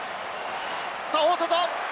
大外！